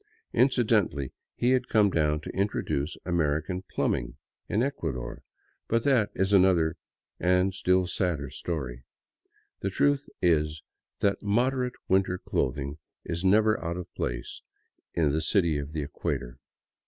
Incidentally, he had come down to introduce American plumbing in Ecuador; but that is another and still sadder story. The truth is that moderate winter clothing is never out of place in the city of the equator.